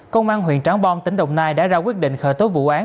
công an huyện trắng bom tỉnh đồng nai đã ra quyết định khởi tố vụ án